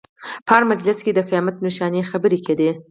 په هر مجلس کې د قیامت نښانې خبرې کېدې.